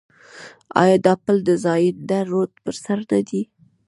آیا دا پل د زاینده رود پر سر نه دی؟